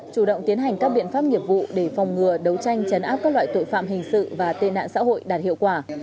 chủ động tiến hành các biện pháp nghiệp vụ để phòng ngừa đấu tranh chấn áp các loại tội phạm hình sự và tên nạn xã hội đạt hiệu quả